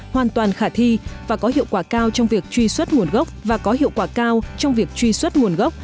hoàn toàn khả thi và có hiệu quả cao trong việc truy xuất nguồn gốc